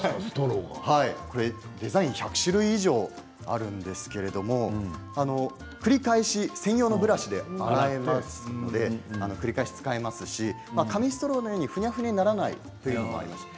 デザイン１００種類以上あるんですけれども専用のブラシで洗えば繰り返し使えますし紙ストローのようにふにゃふにゃにならないというところもあります。